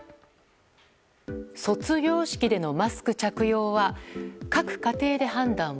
卒業式でのマスク着用は各家庭で判断を。